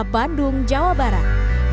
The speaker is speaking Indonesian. bandung jawa barat